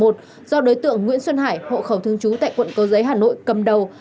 do đối tượng nguyễn xuân hải hộ khẩu thương trú tại quận câu giấy hà nội cầm đầu